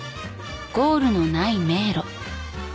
［ゴールのない迷路］